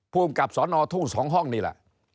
ภูมิกับสอนอทุ่ง๒ห้องนี่แหละ